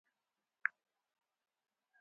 Direktorimiz men bilan betma-bet bo‘ladi.